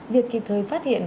việc kịp thời phát hiện